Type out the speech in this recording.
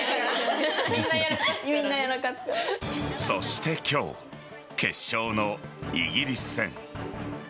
そして今日、決勝のイギリス戦。